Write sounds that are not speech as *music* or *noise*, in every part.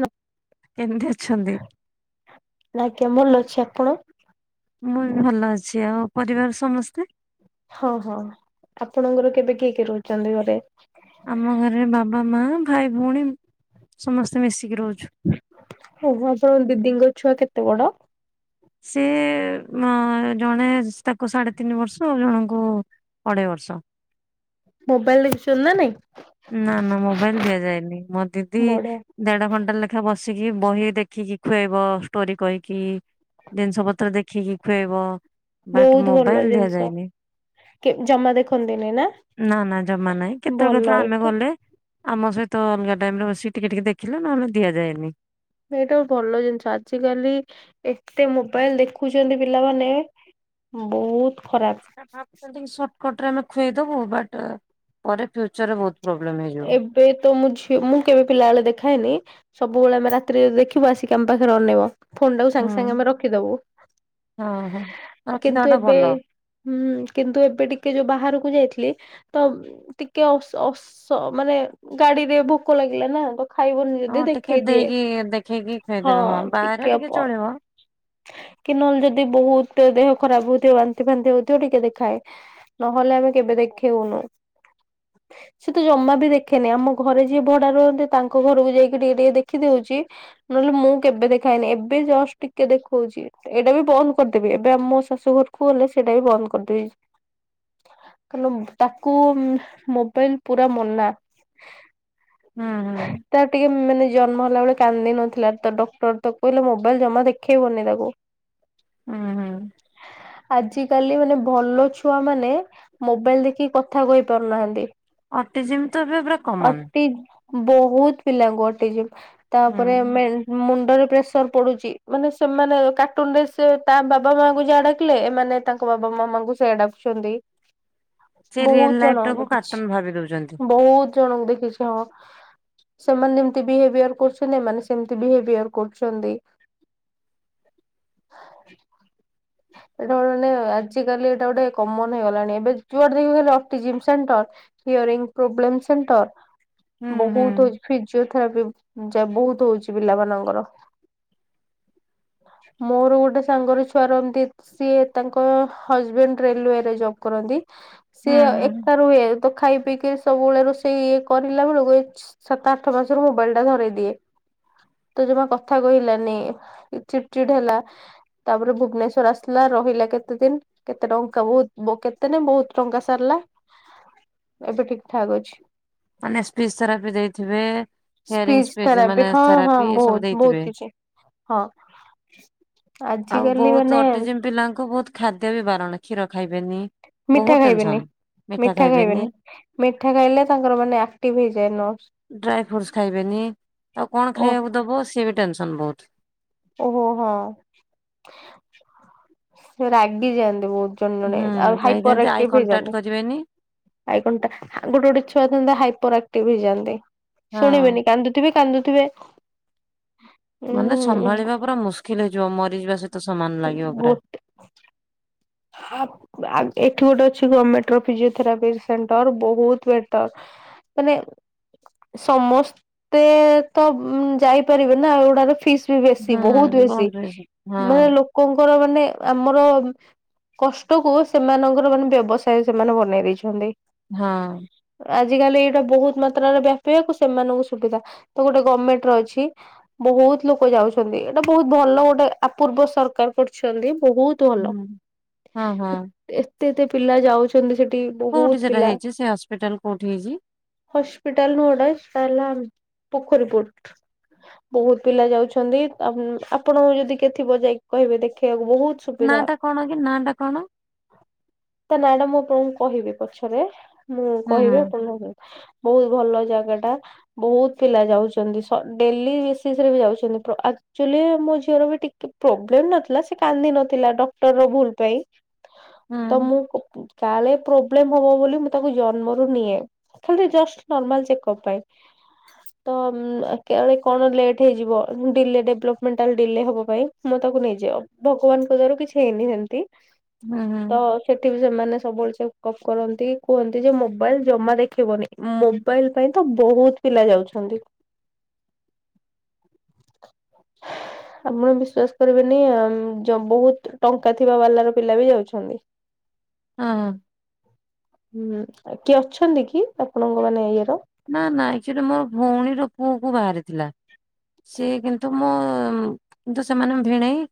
ହଁ କେମିତି ଅଛନ୍ତି ଆଜ୍ଞା ଭଲ ଅଛି ଆପଣ? ମୁଁ ବି ଭଲ ଅଛି ଆଉ ପରିବାର ସମସ୍ତେ ହଁ ହଁ ଆପଣଙ୍କର କେବେ କିଏ କିଏ ରହୁଛନ୍ତି ଘରେ ଆମ ଘରେ ବାବା ମା ଭାଇ ଭଉଣୀ ସମସ୍ତେ ମିଶିକି ରହୁଛୁ ଓ ଆପଣ ଦିଦିଙ୍କ ଛୁଆ କେତେ ବଡ ସେ ଅ ଜଣେ ତାକୁ ସାଢେ ତିନି ବର୍ଷ ଆଉ ଜଣଙ୍କୁ ଅଢେଇ ବର୍ଷ ମୋବାଇଲ ଦେଖୁଛନ୍ତି ନା ନାଇଁ ନା ନା ମୋବାଇଲ ଦିଆଯାଏନି ମୋ ଦିଦି ବଢିଆ ଦେଢ ଘଣ୍ଟା ଲେଖା ବସିକି ବହି ଦେଖିକି ଖୁଆଇବ ଷ୍ଟୋରି କହିକି ଜିନିଷ ପତ୍ର ଦେଖିକି ଖୁଆଇବ ବାଟ ବହୁତ ଭଲ ମୋବାଇଲ ଜିନିଷ। ଦିଆଯାଇନି କେ ଜମା ଦେଖନ୍ତିନି ନା ନା ନା ଜମା ନହିଁ କେତେଳେ ଭଲ କେତେଳେ ଆମେ ଏଇଟା ଗଲେ ଆମ ସହିତ ଅଲଗା ଟାଇମରେ ବସି ଟିକେ ଟିକେ ଦେଖିଲେ ନହେଲେ ଦିଆଯାଏନି ଏଇଟା ଭଲ ଜିନିଷ ଆଜିକାଲି ଏତେ ମୋବାଇଲ ଦେଖୁଛନ୍ତି ପିଲାମାନେ ବହୁତ ଖରାପ ସେଟା ଭାବୁଛନ୍ତି ସର୍ଟକଟ ରେ ଆମେ ଖୁଇଦବୁ ବଟ ପରେ ଫ୍ୟୁଚରରେ ବହୁତ ପ୍ରୋବ୍ଲେମ୍ ହେଇଯିବ ଏବେ ତ ମୁଁ ଝିଅ ମୁଁ କେବେ ପିଲାବେଳେ ଦେଖାଏନି ସବୁବେଳେ ଆମେ ରାତିରେ ଯଦି ଦେଖିବୁ ଆସିକି ଆମ ପାଖରେ ଅନେଇବ ଫୋନ ଟା କୁ ସାଙ୍ଗେ ହୁଁ। ସାଙ୍ଗେ ଆମେ ରଖିଦବୁ ହଁ ହଁ ରଖିଦବା କିନ୍ତୁ ଟା ଏବେ ଭଲ। ହୁଁ କିନ୍ତୁ ଏବେ ଟିକେ ଯୋଉ ବାହାରକୁ ଯାଇଥିଲି ତ ଟିକେ ଅ ସ ଅ ସ ତ ମାନେ ଗାଡିରେ ଭୋକ ଲାଗିଲା ନା ତ ଖାଇବନି ଯଦି ହଁ ଟିକେ ଦେଖେଇ ଦିଏ ଦେଇକି ଦେଖେଇକି ହଁ ଖୁଆଇଦେବେ ବାହାରେ ଟିକେ ଟିକେପ ଚଳିବ। କି ନହେଲେ ଯଦି ବହୁତ ଦେହ ଖରାପ ହଉଥିବ ବାନ୍ତି ଫାନ୍ତି ହଉଥିବ ଟିକେ ଦେଖାଏ ନହେଲେ ଆମେ କେବେ ଦେଖେଇଉନୁ ସେ ତ ଜମା ବି ଦେଖେନି ଆମ ଘରେ ଯିଏ ଭଡା ରୁହନ୍ତି ତାଙ୍କ ଘରକୁ ଯାଇକି ଟିକେ ଟିକେ ଦେଖିଦଉଛି ନହେଲେ ମୁଁ କେବେ ଦେଖାଏନି ଏବେ ଜଷ୍ଟ ଟିକେ ଦେଖଉଛି ଏଇଟା ବି ବନ୍ଦ କରିଦେବି ଏବେ ଆମ ମୋ ଶାଶୁ ଘରକୁ ଗଲେ ସେଇଟା ବି ବନ୍ଦ କରିଦେବି କାରଣ ତାକୁ ମୋବାଇଲ ପୁରା ମନା ହଁ ତ ଟିକେ ମାନେ ଜନ୍ମ ହେଲା ବେଳେ କାନ୍ଦି ନଥିଲା ତ ଡକ୍ଟର ତାକୁ କହିଲେ ମୋବାଇଲ ଜମା ଦେ ଖେଇବନି ତାକୁ। ହୁଁ ହୁଁ। ଆଜିକାଲି ମାନେ ଭଲ ଛୁଆ ମାନେ ମୋବାଇଲ ଦେଖି କଥା କହି ପାରୁନାହାନ୍ତି। ଅଟିଜିମ୍ ତ ଏବେ ପୁରା କମନ। ଅଟି ବୋହୁତ ପିଲାଙ୍କୁ ଅଟି ଯିମ୍। ହୁଁ। ତାପରେ ମେନ ମୁଣ୍ଡରେ ପ୍ରେସର ପଡ଼ୁଚି। ମାନେ ସେମାନେ କାର୍ଟୁନ ରେ ସେ ତା ବାବା ମାଙ୍କୁ ଯାହା ଡ଼ାକିଲେ ଏମାନେ ତାଙ୍କ ବାବା ମାମାଙ୍କୁ ସେଇଆ ଡ଼ା ଛନ୍ତି ସେ ରିଅଲ ବୋହୁତ ଲାଇଫ ଜଣ ଟାକୁ ଦେଖିଚି କାର୍ଟୁନ ଭାବି ଦଉଛନ୍ତି। ବୋହୁତ। କଣ ଦେଖିଛ? ସେମାନେ ଯେମିତି ବିହେଭିୟର କରୁଛନ୍ତି ଏମାନେ ସେମତି ବିହେଭିୟର କରୁଛନ୍ତି। ଏଟା ମାନେ ମାନେ ଆଜିକାଲି ଏଟା ଗୋଟେ କମନ ହେଇଗଲାଣି ଏବେ ଯୁଆଡ଼େ ଦେଖିବ ଖାଲି ଅଟିଯିମ୍ ସେଣ୍ଟର। ହିୟରିଂ ପ୍ରୋବ୍ଲେମ ହୁଁ ସେଣ୍ଟର ହୁଁ। ବୋହୁତ ହୋଉଚି। ଫିଜିଓଥେରାପି ଯା ବହୁତ ହୋଉଚି ପିଲା ମାନଙ୍କର। ମୋର ଗୋଟେ ସାଙ୍ଗର ଛୁଆର ତି ସିଏ ତାଙ୍କ ହଜବେଣ୍ଡ ରେଲୱେରେ ଜବ୍ କରନ୍ତି। ହୁଁ ସିଏ ହୁଁ ଏକା ରୁଏ ତ ଖାଇ ପିଇକି ସବୁବେଳେ ରୋଷେଇ ଇଏ କରିଲା ବେଳକୁ ଏଇ ସାତ ଆଠ ମାସରୁ ମୋବାଇଲଟା ଧରେଇ ଦିଏ। ତ ଜମା କଥା କହିଲାନି ଚିଡ଼ ଚିଡ଼ ହେଲା ତାପରେ ଭୁବନେଶ୍ ଶ୍ୱର ଆସିଲା ରହିଲା କେତେ ଦିନ କେତେ ଟଙ୍କା ବହୁତ କେତେ ନେ ବହୁତ ଟଙ୍କା ସାରିଲା। ଏବେ ଠିକ ଠାକ ଅଛି। ମାନେ ସ୍ପି ଥେରାପି ଦେଇଥିବେ। ହିୟରିଂ ସ୍ପିଚ ଥେରାପି ମାନେ ହଁ ହଁ ଥେରାପି ଏସବୁ ବୋହୁତ ଦେଇଥିବେ। ବୋହୁତ କିଛି। ହଁ ଆଜିକାଲି ମା ସେ ଅଟିଯିମ୍ ପିଲାଙ୍କୁ ବହୁତ ଖାଦ୍ୟ ବି ବାରଣ କ୍ଷୀର ଖାଇବେନି। ମିଠା ଖାଇବେନି ମିଠା ଖାଇବେନି। ମିଠା ଖାଇଲେ ତାଙ୍କର ମାନେ ଆକ୍ଟିଭ ହେଇଯାଏ ନର୍ସ। ଡ୍ରାଏ ଫ୍ରୁଟସ ଖାଇବେନି ଆଉ କଣ ଓ ଖାଇବାକୁ ଦବ ସିଏ ବି ଟେନସନ ବୋହୁତ। ଓହୋ ହଁ ସେ ରାଗି ଯାଆନ୍ତି ବୋହୁତ। ଜଣେ ଜଣେ ହୁଁ ଆଉ ହାଇପର ଯାଇଥାନ୍ତି ଆଇ ଆକ୍ଟିଭ କଣ୍ଟାକ୍ଟ ହେଇଯାନ୍ତି। କରିବେନି। ଆଇ କଣ୍ଟା ଗୋଟେ ଗୋଟେ ଛୁଆ ଥାନ୍ତି ହାଇପର ଆକ୍ଟିଭ ହେଇଯାନ୍ତି ହଁ ଶୁଣିବେନି କାନ୍ଦୁ ଥିବେ କାନ୍ଦୁଥିବେ। ମାନେ ଉଁ ସମ୍ଭାଳିବା ପୁରା ମୁସ୍କିଲ ହେଇଯିବ ମରିଯିବା ସହିତ ସମାନ ଲାଗିବ ଗୋ ପୁରା। ଆ ଏଠି ଗୋଟେ ଅଛି ଗମେଣ୍ଟର ଫିଜିଓଥେରାପି ସେଣ୍ଟର ବୋହୁତ ବେଟର। ହେଲେ ସମସ୍ତେ ତ ଯାଇପାରିବେ ନା ଏଗୁଡ଼ାର ଫିସ୍ ତି ବେଶୀ ହୁଁ ବୋହୁତ ବେଶୀ ବହୁତ ହଁ ମାନେ ଲୋକଙ୍କର ମାନେ ଆମର କଷ୍ଟକୁ ସେମାନଙ୍କର ମାନେ ବ୍ୟବସାୟ ସେମାନେ ବନେଇ ଦେଇଛନ୍ତି। ହଁ। ଆଜିକାଲି ଏଇଟା ବୋହୁତ ମାତ୍ରାରେ ବ୍ୟାପିବାକୁ ସେମାନଙ୍କୁ ସୁବିଧା। ତ ଗୋଟେ ଗମେଣ୍ଟର ଅଛି। ବହୁତ ଲୋକ ଯାଉଛନ୍ତି ଏଇଟା ବହୁତ ଭଲ ଗୋଟେ ଆ ପୂର୍ବ ସରକାର କରିଛନ୍ତି ବୋହୁତ ହୁଁ ହଁ ହଁ। ଏତେ ଏତେ ପିଲା ଯାଉଛନ୍ତି ସେଠି କୋଉଠି ବୋହୁତ ସେଟା ପିଲା। ହେଇଛି ସେ ହସ୍ପିଟାଲ କୋଉଠି ହେଇଛି? ହସ୍ପିଟାଲ ରୋଡରେ ତାଲା ଆମ ପୋଖରୀ ପୁଟ୍ ବହୁତ ପିଲା ଯାଉଛନ୍ତି ଆପ ଆପଣ ଯଦି କେଥିବ ଯାଇ କହିବେ ଦେଖେଇବାକୁ ବହୁତ୍ ନା ଟା କଣ କି ନା ଟା କଣ। ତା ନା ଟା ମୁଁ କ କହିବି ପଛରେ ମୁଁ ହୁଁ ହୁଁ କହିବି ଆପଣ ଭାବ ବହୁତ୍ ଭଲ ଜାଗା ଟା। ବହୁତ ପିଲା ଯାଉଛନ୍ତି ସ ଡେଲି ବେସିସ ରେ ବି ଯାଉଛନ୍ତି ପ୍ର ଆ ଆକ୍ଚୁଆଲି ମୋ ଝିଅର ବି ଟିକେ ପ୍ରୋବ୍ଲେମ୍ ନଥିଲା ସେ କାନ୍ଦି ନଥିଲା ଡକ୍ଟର ଭୁଲ ପାଇଁ ହୁଁ ତ ମୁଁ କାଳେ ପ୍ରୋବ୍ଲେମ ହବ ବୋଲି ମୁଁ ତାକୁ ଜନ୍ମରୁ ନିଏ ଖାଲି ଜଷ୍ଟ ନର୍ମାଲ ଚେକଅପ ପାଇଁ। ତ କାଳେ କଣ ଲେଟ୍ ହେଇଯିବ ଡିଲେ ଡେଭଲପମେଣ୍ଟାଲ୍ ଡିଲେ ହେବା ପାଇଁ। ମୁଁ ତାକୁ ନେଇଯାଏ ଭଗବାନଙ୍କ ଦୟାରୁ କିଛି ହେଇନି ସେମତି। ହୁଁ ତ ହୁଁ ସେଠି ବି ସେମାନେ ସବୁବେଳେ ଚେକ ଅପ କରନ୍ତି କୁହନ୍ତି ଯେ ମୋବାଇଲ ଜମା ଦେଖିବନି। ମୋବାଇଲ ପାଇଁ ତ ବହୁତ ପିଲା ଯାଉଛନ୍ତି। *inaudible* ଆପଣ ବିଶ୍ଵାସ କରିବେନି ଜ ବହୁତ ଟଙ୍କା ଥିବା ବାଲା ତାଙ୍କ ପିଲା ବି ଯାଉଛନ୍ତି। ଉଁ ହୁଁ। ହୁଁ କିଏ ଅଛନ୍ତି କି ଆପଣଙ୍କ ମାନେ ଇଏର ନା ନା ଆକ୍ଚୁଆଲି ମୋର ଭଉଣୀର ପୁଅକୁ ବାହାରିଥିଲା। ସିଏ କିନ୍ତୁ ମୁଁ କିନ୍ତୁ ସେମାନେ ଭିଣେଇ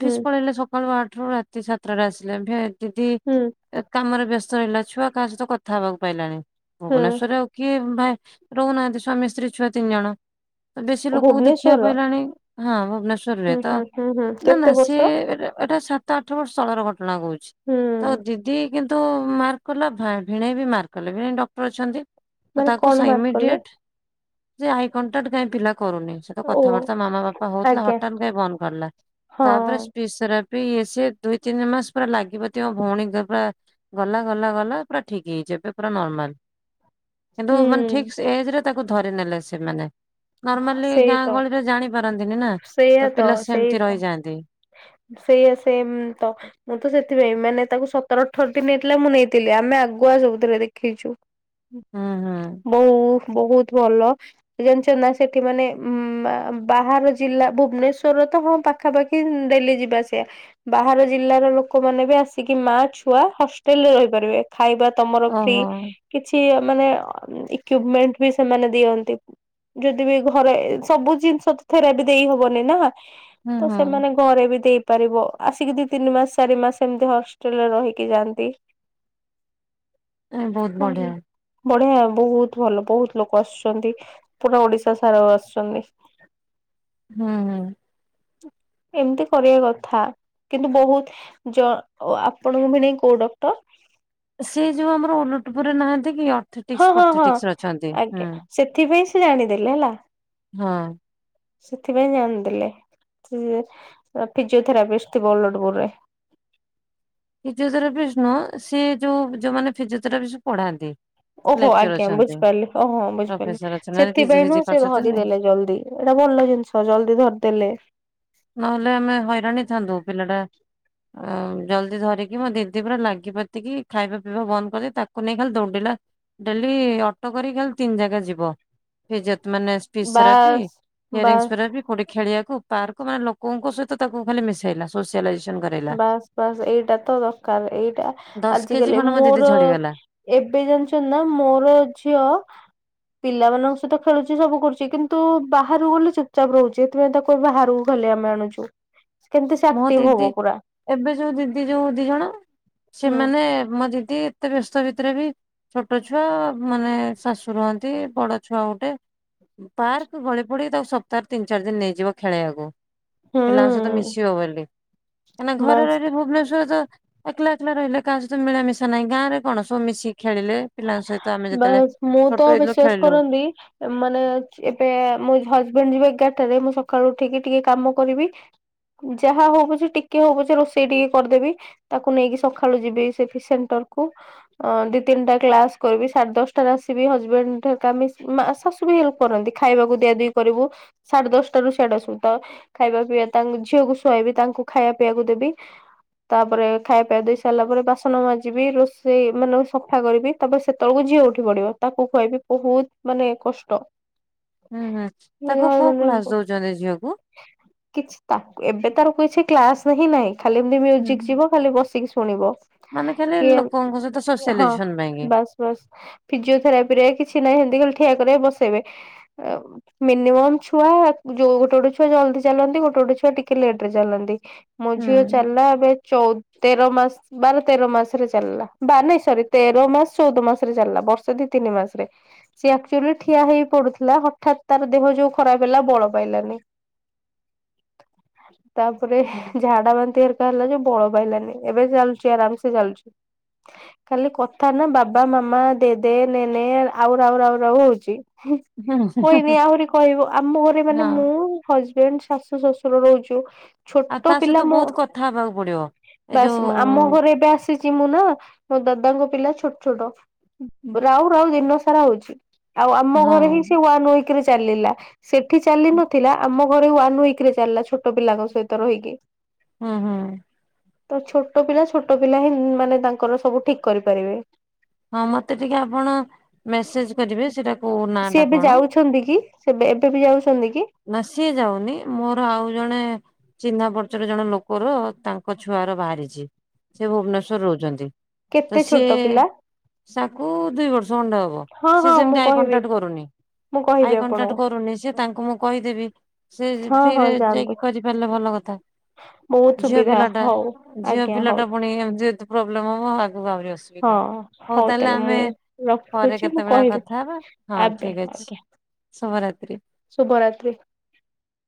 ହୁଁ ପଳେଇଲେ ସକାଳୁ ଆଠ ରୁ ରାତି ସାତଟା ଆସିଲେ ଏ ଦିଦି ହୁଁ। କାମରେ ବ୍ୟସ୍ତ ରହିଲା ଛୁଆ କାହା ସହିତ କଥା ହେବାକୁ ପାଇଲାନି ହୁଁ ଭୁବନେଶ୍ଵରରେ ଆଉ କିଏ ଭାଇ ରହୁନାହାନ୍ତି ସ୍ଵାମୀ ସ୍ତ୍ରୀ ଛୁଆ ତିନି ଜଣ ବେଶୀ ଲୋକଙ୍କୁ ଦେଖିବାକୁ ଭୁବନେଶ୍ଵରର ପାଇଲାନି। ହଁ ଭୁବନେଶ୍ଵରରେ ହୁଁ ତ ହୁଁ ହୁଁ ହୁଁ ନା ନା କେତେ ବର୍ଷ ସିଏ ଏଟା ସା ସାତ ଆଠ ବର୍ଷ ତଳର ଘଟଣା କହୁଛି ହୁଁ ତ ଦିଦି କିନ୍ତୁ ମାର୍କ କଲା ଭିଣେଇ ବି ମାର୍କ କଲେ ଭିଣେଇ ଡକ୍ଟର ଅଛନ୍ତି। ମାନେ ତାକୁ କଣ ସା ମାର୍କ କଲେ ଇମିଡିଏଟ ହାଇ କଣ୍ଟାକ୍ଟ କାଇଁ ପିଲା କରୁନି। ସହିତ ଓ କଥାବାର୍ତ୍ତା ମାମା ବାପା ହଉଥିଲା ଆଜ୍ଞା ହଠାତ୍ କାଇଁ ବନ୍ଦ କରିଦେଲା ହଁ ତାପରେ ସ୍ପିଡିସେରାପ୍ ଇଏ ସିଏ ଦୁଇ ତିନି ମାସ ପୁରା ଲାଗିପାତି ମୋ ଭଉଣୀ ଦେହ ପା ଗଲା ଗଲା ଗଲା ପୁରା ଠିକ୍ ହେଇଛି ଏବେ ପୁରା ନର୍ମାଲ। କିନ୍ତୁ ମାନେ ହୁଁ ଠିକ୍ ସେ ଏଜ ରେ ତାକୁ ଧରି ନେଲେ ସେମାନେ। ନର୍ମାଲି ସେଇ ଗାଁ ତ ଗହଳିରେ ଜାଣି ପାରନ୍ତିନି ନା ସେଇଆ ତ ପିଲା ସେଇ ସେମିତି ତ ରହିଯାଆନ୍ତି। ସେଇଆ ସେମ୍ ତ ମୁଁ ତ ସେଥିପାଇଁ ମାନେ ତାକୁ ସତର ଅଠରଦିନ ନେଇଥିଲା ମୁଁ ନେଇଥିଲି ଆମେ ଆଗୁଆ ସବୁଥିରେ ଦେଖେଇଛୁ। ହୁଁ ହୁଁ ବହୁ ବହୁତ ଭଲ ଜାଣିଛନ୍ତି ନାଁ ସେଠି ମାନେ ଉଁ ବା ବାହାର ଜିଲ୍ଲା ଭୁବନେଶ୍ୱରରୁ ତ ହଁ ପାଖାପାଖି ଡେଲି ଯିବା ଆସିବା ବାହାର ଜିଲ୍ଲାର ଲୋକମାନେ ବି ଆସିକି ମା ଛୁଆ ହଷ୍ଟେଲ ରେ ରହିପାରିବେ। ଖାଇବା ତମର ଫ୍ରି ଓହୋ କିଛି ମାନେ ଇକ୍ୟୁପମେଣ୍ଟ ବି ସେମାନେ ଦିଅନ୍ତି। ଯଦି ବି ଘରେ ସବୁ ଜିନିଷ ଥେରାପି ଦେଇ ହବନି ନା ହୁଁ ତ ହୁଁ ସେମାନେ ଘରେ ବି ଦେଇପାରିବ ଆସିକି ଦି ତିନି ମାସ ଚାରି ମାସ ଏମିତି ହଷ୍ଟେଲରେ ରହିକି ଯାଆନ୍ତି। ଏ ବହୁତ ବଢିଆ *inaudible* ବଢିଆ ବହୁତ୍ ଭଲ ବହୁତୁ ଲୋକ ଆସୁଛନ୍ତି। ପୁରା ଓଡିଶା ସାରା ରୁ ଆସୁଛନ୍ତି। ହୁଁ ହୁଁ। ଏମିତି କରିବା କଥା କିନ୍ତୁ ବହୁତ ଜ ଆପଣଙ୍କୁ ଭିଣୋଇ କୋଉ ଡକ୍ଟର? ସେ ଯୋଉ ଆମର ଓଲଟପୁରରେ ନାହାନ୍ତି କି ହଁ ଅର୍ଥିଟିକସ ହଁ ହଁ। ଫର୍ତେଟିକ୍ସ ଅଛନ୍ତି। ଆଜ୍ଞା ସେଥିପାଇଁ ସେ ଜାଣିଦେଲେ ହେଲା। ହଁ। ସେଥିପାଇଁ ଜାଣିଥିଲେ ସେ ଫିଜିଓଥେରାପିଷ୍ଟ ଥିବ ଓଲଟପୁରରେ। ଫିଜିଓଥେରାପିଷ୍ଟ ନୁହଁ ସେ ଯୋଉ ଯୋଉମାନେ ଫିଜିଓଥେରାପିଷ୍ଟ ପଢ଼ାନ୍ତି। ଓହୋ ଆଜ୍ଞା ବୁଝିପାରିଲି ଓହୋ ବୁଝିପାରିଲି ପ୍ରଫେସର ଅଛନ୍ତି ନହେଲେ ପିଜି ସେଥିପାଇଁ ଫିଜି ନୁହଁ ସେ କରିସାରିଛନ୍ତି। ଧରିଦେଲେ ଜଲ୍ଦି। ଏଇଟା ଭଲ ଜିନିଷ ଜଲଦି ଧରିଦେଲେ। ନହେଲେ ଆମେ ହଇରାଣ ହେଇଥାନ୍ତୁ ପିଲାଟା ଆ ଜଲ୍ଦି ଧରିକି ମୋ ଦିଦି ପୁରା ଲାଗିପାତିକି ଖାଇବା ପିଇବା ବନ୍ଦ କରିକି ତାକୁ ନେଇ ଖାଲି ଦୌଡ଼ିଲା। ଡେଲି ଅଟୋ କରିକି ଖାଲି ତିନି ଜାଗା ଯିବ। ଫି ମାନେ ସ୍ପିଚ ରପ ବାସ୍ ବାସ୍ ଇୟରିଙ୍ଗ ଫ କୋଉଠି ଖେଳିବାକୁ ପାକ ୋକ ମାନେ ଲୋକଙ୍କ ସହିତ ତାକୁ ଖାଲି ମିଶାଇଲା। ବାସ ବାସ୍ ଏଇଟା ତ ଦରକାର ଏଇଟା ଦଶ କେଜି ଆଜିିକାଲି ଖଣ୍ଡେ ମୋ ଦିଦି ମୋର ଝଡିଗଲା ଏବେ ଜାଣିଛନ୍ତି ନା ମୋର ଝିଅ ପିଲାମାନଙ୍କ ସହିତ ଖେଳୁଛି ସବୁ କରୁଛି କିନ୍ତୁ ବାହାରୁକୁ ଗଲେ ଚୁପଚାପ ରହୁଛି। ତମେ ତା କୁ ବାହାରକୁ ଖାଲି ଆମେ ଆଣୁଛୁ। କେମିତି ସେ ମୋ ଆକ୍ଟିଭ ହବ ଦିଦି ପୁରା ଏବେ ଯୋଉ ଦିଦି ଯୋଉ ଦି ଜଣ ହୁଁ ସେମାନେ ମୋ ଦିଦି ଏତେ ବ୍ୟସ୍ତ ଭିତରେ ବି ଛୋଟ ଛୁଆ ମାନେ ଶାଶୁ ରୁହନ୍ତି ବଡ ଛୁଆ ଗୋଟେ। ପାର୍କ ଗଳି ପଡିି ତାକୁ ସପ୍ତାହ ତିନି ଚାରି ଦିନ ନେଇଯିବ ଖେଳେଇବାକୁ। ପିଲାଙ୍କ ସହିତ ହୁଁ ମିଶିବ ବୋଲି କାହିଁକିନା ଘରେ ବାସ୍ ର ଭୁବନେଶ୍ୱରରେ ତ ଏକଲା ଏକଲା ରହିଲେ କାହା ସହିତ ମିଳାମିଶା ନାହିଁ ଗାଁ ରେ କଣ ସବୁ ମିଶି ଖେଳିଲେ। ପିଲାଙ୍କ ସହିତ ଆମେ *inaudible* ଯେତେବେଳେ ବାସ୍ ମୁଁ ଛୋଟ ତ ହେଇଥିଲୁ ବିଶ୍ଵାସ ଖେଳିଲୁ କରନ୍ତି ମାନେ ଏବେ ମୋ ହଜବେଣ୍ଡ ଯିବେ ଏଗାରଟାରେ ମୁଁ ସକାଳୁ ଉଠିକି ଟିକେ କାମ କରିବି। ଯାହା ହଉ ପଛେ ଟିକେ ହଉ ପଛେ ରୋଷେଇ ଟିକେ କରିଦେବି। ତାକୁ ନେଇକି ସକାଳୁ ଯିବି ସେ ସେଣ୍ଟରକୁ ଦି ତିନିଟା କ୍ଲାସ୍ କରିବି ସାଢେ ଦଶଟାରେ ଆସିବି ହଜବେଣ୍ଡ ଠ ମି ଶାଶୁ ବି ହେଲ୍ପ କରନ୍ତି ଖାଇବାକୁ ଦିଆ ଦି କରିବୁ ସାଢେ ଦଶଟା ରୁ ସେଆଡୁ ଆସିବୁ ତ ଖାଇବା ପିଇବା ତାଙ୍କୁ ଝିଅକୁ ଶୁଆଇବି ତାଙ୍କୁ ଖାଇବା ପିଇକୁ ଦେବି। ତାପରେ ଖାଇବା ପିଇବା ଦେଇ ସାରିଲା ପରେ ବାସନ ମାଜିବି ରୋଷେଇ ମାନେ ସଫା କରିବି। ତାପରେ ସେତେବେଳକୁ ଯିଅ ଉଠି ପଡିବ ତାକୁ ଖୁଆଇବି ବହୁତ ମାନେ କଷ୍ଟ। ହୁଁ ହୁଁ ତାକୁ କୋଉ କ୍ଲାସ ମାନେ ଦଉଛନ୍ତି ଝିଅକୁ। କିଛି ତା ଏବେ ତାର କିଛି କ୍ଲାସ ହିଁ ନାହିଁ ଖାଲି ଏମିତି ହୁଁ। ମୁଜିକ ଯିବ ଖାଲି ବସିକି ଶୁଣିବ। ମାନେ ଖାଲି ଲୋକଙ୍କ ସହିତ ସୋସିଆଲାଇଜେସନ ପାଇଁ କି? *unintelligible* ଫିେରାପି ରେ କିଛି ନାହିଁ ସେମିତି ଖାଲି ଠିଆ କରେଇ ବସେଇବେ। ମିନିମମ୍ ଛୁଆ ଯଉ ଗୋଟେ ଗୋଟେ ଛୁଆ ଜଲଦି ଚାଲନ୍ତି ଗୋଟେ ଗୋଟେ ଛୁଆ ଟିକେ ଲେଟ ରେ ଚାଲନ୍ତି। ମୋ ହୁଁ। ଝିଅ ଚାଲିଲା ଏବେ। ଚଉ ତେର ମାସ ବାର ତେର ମାସରେ ଚାଲିଲା ବା ନାଇ ସରି ତେର ମାସ ଚଉଦ ମାସ ରେ ଚାଲିଲା ବର୍ଷ ଦି ତିନି ମାସରେ। ସିଏ ଆକ୍ଚୁଆଲି ଠିଆ ହେଇ ପଡୁଥିଲା ହଠାତ୍ ତାର ଦେହ ଯୋଉ ଖରାପ ହେଲା ବଳ ପାଇଲାନି। *unintelligible* ତାପରେ ହୁଁ ଝା *unintelligible* ହେଲା ଯୋଉ ବଳ ପାଇଲାନି ଏବେ ଚାଲୁଛି ଆରାମ ସେ ଚାଲୁଛି। ଖାଲି କଥା ନା ବାବା ମାମା ଦେଦେ ନେନେ ଆଉ ରାଉ ରାଉ ରାଉ ହୋଉଚି। ହୁଁ କହିନି ଆହୁରି କହିବ ଆମ ଘରେ ହୁଁ ମାନେ ହଁ। ମୁଁ ହଜବେଣ୍ଡ ଶାଶୁ ଶଶୁର ରହୁଛୁ। ଆଉ ଛୋଟ ତା ସହିତ ପିଲା ମୋ ବହୁତ କଥା ହବାକୁ ପଡିବ। ଏ ବାସ ଯୋଉ ଆମ ଘରେ ଏବାସ ସେ ଜିମୁ ନା ମୋ ଦାଦାଙ୍କ ପିଲା ଛୋ ଛୋଟ ରାଉ ରାଉ ଦିନ ସାରା ହଉଚି ଆଉ ଆମ ହଁ ଘରେ ହିଁ ସିଏ ୱାନ ଉଇକ କିରି ଚାଲିଲା ସେଠି ଚାଲି ହୁଁ ନଥିଲା। ଆମ ଘରେ ୱାନ୍ ୱିକରେ ଚାଲିଲା ଛୋଟ ପିଲାଙ୍କ ସହିତ ରହିକି। ହୁଁ ହୁଁ। ତ ଛୋଟ ପିଲା ଛୋଟ ପିଲା ହିଁ ମାନେ ତାଙ୍କର ସବୁ ଠିକ କରିପାରିବେ। ହଁ ମତେ ଟିକେ ଆପଣ ମେସେଜ କରିବେ ସେଟା କୋଉ ନାଁ ଟା କଣ। ଅଛନ୍ତି କି ସେବେ ଏବେ ବି ଯାଉଚନ୍ତି କି? ନା ସିଏ ଯାଉନି ମୋର ଆଉ ଜଣେ ଚିହ୍ନା ପର୍ଚରେ ଜଣେ ଲୋକର ତାଙ୍କ ଛୁଆର ବାହାରିଚି ସେ ଭୁବନେଶ ରହୁଛନ୍ତି। କେତେ ଛୋଟ ପିଲା? ସାକୁ ଦୁଇ ବର୍ଷ ଖଣ୍ଡେ ହବ ହଁ ସିଏ ହଁ ମୁଁ ସେମତି ଆଇ କହିବି କଣ୍ଟାକ୍ଟ କରୁନି। ମୁଁ କହିବି ଆଇ ଆପଣଙ୍କୁ କଣ୍ଟାକ୍ଟ କରୁନି ସିଏ ତାଙ୍କୁ ମୁ ଦେବି ସେ ହଁ ହଁ ଫ୍ରିରେ ଯାଆନ୍ତୁ। ଯାଇକି କରିପାରିଲେ ଭଲ କଥା। ବହୁତ ଝିଅ ସୁବିଧା ପିଲାଟା ହଉ ଝିଅ ଆଜ୍ଞା ହଉ ପିଲାଟା ପୁଣି ଏମିତି ଯଦି ପ୍ରୋବ୍ଲେମ ହବ ଆଗକୁ ଆହୁରି ଅସୁ ବିଦା ହଁ। ହଉ ତାହେଲେ ମୁଁ ଆମେ ପରେ ରଖୁଛି ମୁଁ କେତେବେଳେ କହିବି କଥା ହବା ହଁ ଆବେ ଠିକ ଅଛି। ଆଜ୍ଞା ଶୁଭରାତ୍ରି। ଶୁଭରାତ୍ରି।